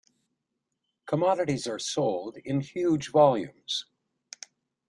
Commodities are sold in huge volumes.